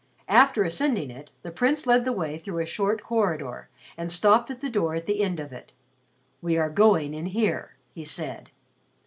After ascending it, the Prince led the way through a short corridor and stopped at the door at the end of it. "We are going in here," he said.